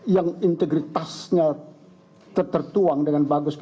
yang integritasnya tertuang dengan bagus